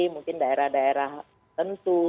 mungkin daerah daerah tentu